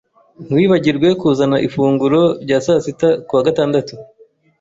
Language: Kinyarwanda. Ntiwibagirwe kuzana ifunguro rya sasita kuwa gatandatu.